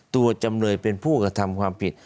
ตัวจำเลยเป็นผู้อากาศธรรมความผิด